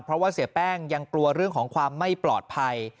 เพราะว่าเสียแป้งยังกลัวเรื่องของความไม่ปลอดภัย